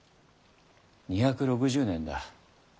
２６０年だ。